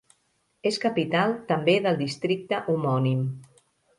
És capital també del districte homònim.